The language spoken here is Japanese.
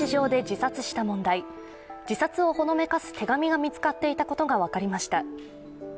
自殺をほのめかす手紙が見つかっていたことがわかりました。